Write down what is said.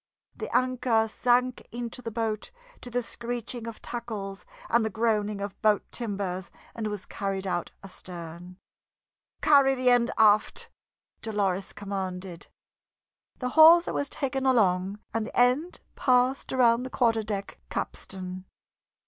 The anchor sank into the boat to the screeching of tackles and the groaning of boat timbers, and was carried out astern. "Carry the end aft!" Dolores commanded; the hawser was taken along and the end passed around the quarter deck capstan.